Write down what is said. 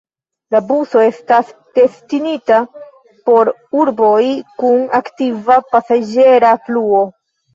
La buso estas destinita por urboj kun aktiva pasaĝera fluo.